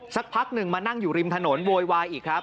สักพักหนึ่งมานั่งอยู่ริมถนนโวยวายอีกครับ